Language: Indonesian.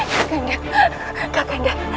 kak kanda kak kanda